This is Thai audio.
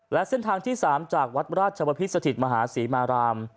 และเส้นทางที่๓จากวัดราชวพิษสถิตมหาศรีมาราม